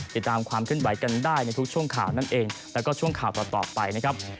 ติดตามความขึ้นไหวกันได้ในทุกช่วงข่าวนั่นเองแล้วก็ช่วงข่าวต่อไปนะครับ